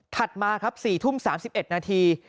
มาครับ๔ทุ่ม๓๑นาที